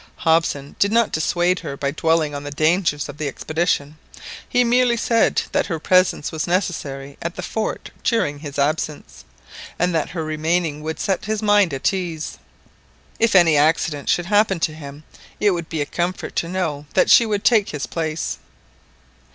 Hobson did not dissuade her by dwelling on the dangers of the expedition, he merely said that her presence was necessary at the fort during his absence, and that her remaining would set his mind at ease. If any accident happened to him it would be a comfort to know that she would take his place.